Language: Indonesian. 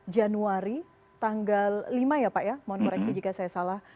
januari tanggal lima ya pak ya mohon koreksi jika saya salah